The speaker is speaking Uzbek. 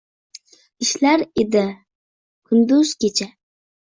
Ishlar edi kunduz-kecha